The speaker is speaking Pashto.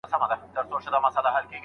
بدلون باید وځنډول نه سي.